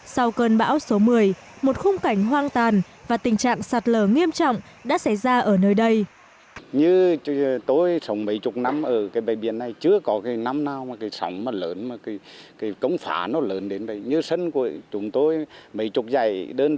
sau cơn bão số một mươi một khung cảnh hoang tàn và tình trạng sạt lở nghiêm trọng đã xảy ra ở nơi đây